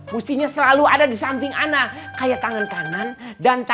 mestinya selalu ada disamping ana